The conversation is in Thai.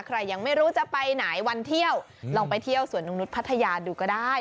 ยังไม่รู้จะไปไหนวันเที่ยวลองไปเที่ยวสวนนกนุษย์พัทยาดูก็ได้